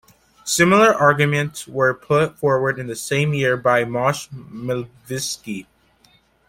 Similar arguments were put forward in the same year by Moshe Milevsky.